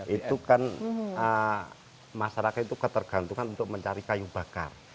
itu kan masyarakat itu ketergantungan untuk mencari kayu bakar